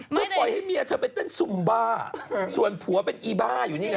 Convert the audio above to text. ปล่อยให้เมียเธอไปเต้นซุมบ้าส่วนผัวเป็นอีบ้าอยู่นี่ไง